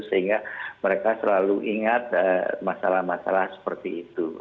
sehingga mereka selalu ingat masalah masalah seperti itu